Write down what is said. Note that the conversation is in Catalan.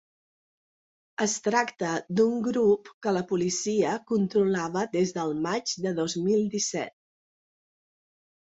Es tracta d’un grup que la policia control·lava des del maig de dos mil disset.